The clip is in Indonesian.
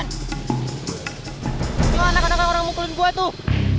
itu anak anak orang mukul gue tuh